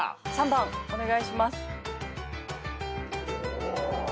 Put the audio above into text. ３番お願いします。